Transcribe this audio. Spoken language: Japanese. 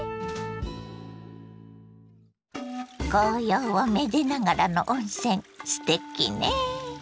紅葉をめでながらの温泉すてきね。